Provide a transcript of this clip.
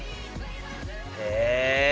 へえ。